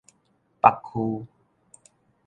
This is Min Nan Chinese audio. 北區